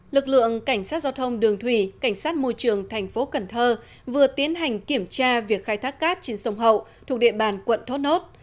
lực lượng cảnh sát giao thông đường thủy cảnh sát môi trường tp cn vừa tiến hành kiểm tra việc khai thác cát trên sông hậu thuộc địa bàn quận thốt nốt